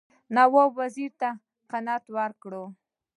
نواب وزیر ته قناعت ورکړي.